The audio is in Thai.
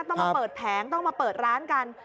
ต้องมาเปิดแผงต้องมาเปิดร้านกัน